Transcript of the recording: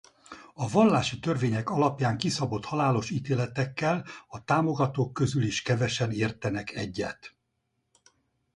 A vallási törvények alapján kiszabott halálos ítéletekkel a támogatók közül is kevesen értenek egyet.